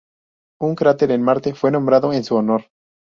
Un cráter en Marte fue nombrado en su honor.